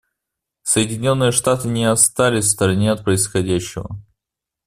Соединенные Штаты не остались в стороне от происходящего.